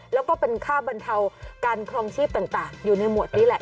แล้วก็เป็นค่าบรรเทาการครองชีพต่างอยู่ในหมวดนี้แหละ